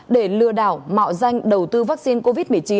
để lừa đảo mạo danh đầu tư vaccine covid một mươi chín